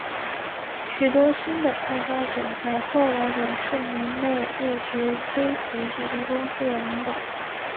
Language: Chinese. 许多新的开发者在后来的数年内一直追随这家公司的领导。